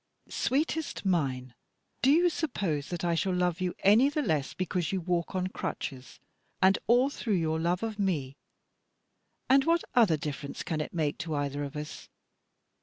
"Sweetest mine! do you suppose that I shall love you any the less because you walk on crutches, and all through your love of me? And what other difference can it make to either of us?